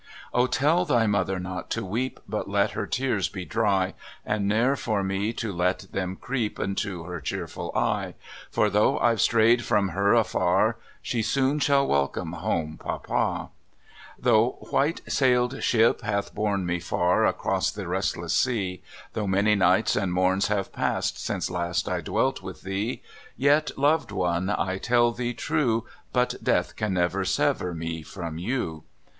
O tell thy mother not to weep, But let her tears be dry. And ne'er for me to let them creep Into her cheerful eye; For though I've strayed from her afar, She soon shall welcome home "papa." STRANDED. 45 Though " white sailed ship " hath borne me far Across the restless sea; Though manv nights and morns have passed Since last I dwelt with thee, Yet, loved one, I tell thee true, But death can sever me from you.